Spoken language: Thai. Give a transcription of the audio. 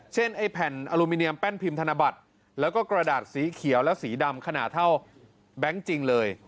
ไอ้แผ่นอลูมิเนียมแป้นพิมพ์ธนบัตรแล้วก็กระดาษสีเขียวและสีดำขนาดเท่าแบงค์จริงเลย